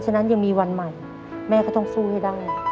ฉะนั้นยังมีวันใหม่แม่ก็ต้องสู้ให้ได้